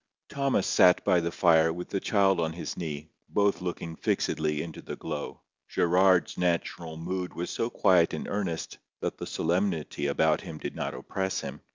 Thomas sat by the fire with the child on his knee, both looking fixedly into the glow. Gerard's natural mood was so quiet and earnest, that the solemnity about him did not oppress him.